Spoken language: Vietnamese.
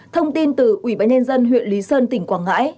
thông tin từ ủy ban nhân dân huyện lý sơn tỉnh quảng ngãi